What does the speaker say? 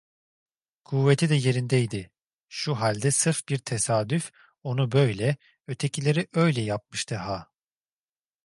Kuvveti de yerindeydi; şu halde sırf bir tesadüf onu böyle, ötekileri öyle yapmıştı ha?